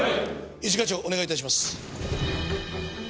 一課長お願い致します。